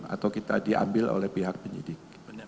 atau kita diambil oleh pihak penyidik